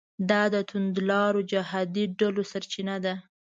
دا د توندلارو جهادي ډلو سرچینه ده.